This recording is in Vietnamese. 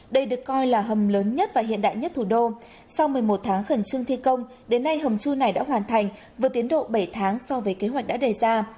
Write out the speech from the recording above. đây được coi là hầm lớn nhất và hiện đại nhất thủ đô sau một mươi một tháng khẩn trương thi công đến nay hầm chui này đã hoàn thành vượt tiến độ bảy tháng so với kế hoạch đã đề ra